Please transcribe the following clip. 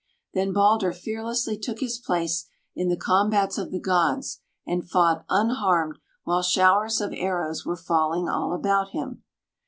Then Balder fearlessly took his place in the combats of the gods and fought unharmed while showers of arrows were falling all about him.